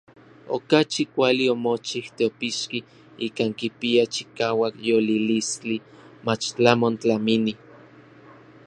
Okachi kuali omochij teopixki ikan kipia chikauak yolilistli mach tlamon tlamini.